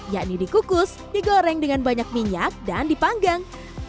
yakni dikukus digoreng dengan banyak minyak dan dipanggang